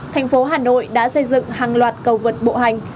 thành phố hà nội đã xây dựng hàng loạt cầu vượt bộ hành